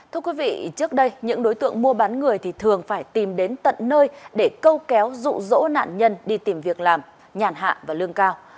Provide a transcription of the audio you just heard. thưa quý vị trước đây những đối tượng mua bán người thì thường phải tìm đến tận nơi để câu kéo rụ rỗ nạn nhân đi tìm việc làm nhàn hạ và lương cao